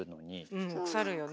うん腐るよね。